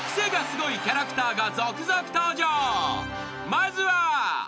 ［まずは］